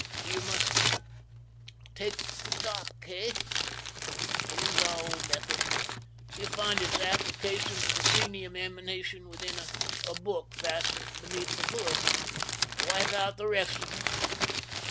"You must take the top, Kay. Use our old method. You'll find its application to the psenium emanation written in a book fastened beneath the hood. Wipe out the rest of them.